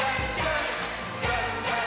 「じゃんじゃん！